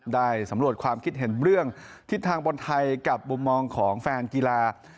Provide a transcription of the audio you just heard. ได้สำรวจความคิดเห็นเรื่องทิศทางบนไทยกับมุมมองของแฟนกีฬา